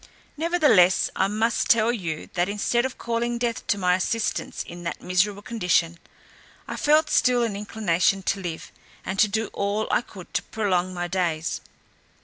Nevertheless, I must tell you, that instead of calling death to my assistance in that miserable condition, I felt still an inclination to live, and to do all I could to prolong my days.